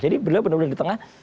jadi beliau benar benar di tengah